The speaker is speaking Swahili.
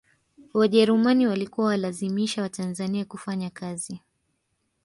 wajerumani walikuwa walazimisha watanzania kufanya kazi